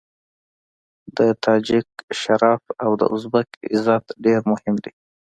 د تاجک شرف او د ازبک عزت ډېر مهم دی.